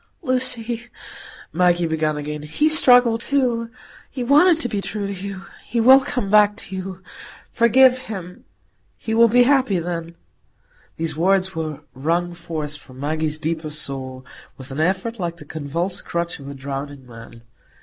"Lucy," Maggie began again, "he struggled too. He wanted to be true to you. He will come back to you. Forgive him—he will be happy then——" These words were wrung forth from Maggie's deepest soul, with an effort like the convulsed clutch of a drowning man.